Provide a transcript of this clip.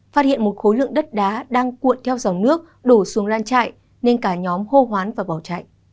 phát hiện một khối lượng đất đá đang cuộn theo dòng nước đổ xuống lán trại nên cả nhóm hô hoán và vào trại